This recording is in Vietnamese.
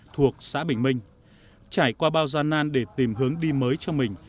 trải qua bao gian nan để tìm hướng đi mới cho mình